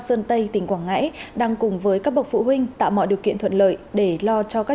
sơn tây tỉnh quảng ngãi đang cùng với các bậc phụ huynh tạo mọi điều kiện thuận lợi để lo cho các